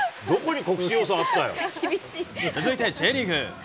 続いてＪリーグ。